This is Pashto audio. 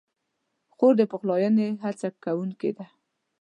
خور د پخلاینې هڅه کوونکې ده.